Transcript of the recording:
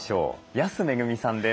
安めぐみさんです。